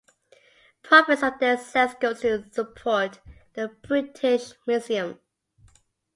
Profits from their sales goes to support the British Museum.